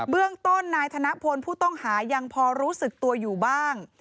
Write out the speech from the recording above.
เรื่องต้นนายธนพลผู้ต้องหายังพอรู้สึกตัวอยู่บ้าง